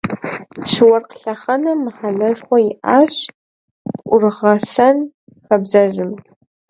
Пщы-уэркъ лъэхъэнэм мыхьэнэшхуэ иӏащ пӏургъэсэн хабзэжьым.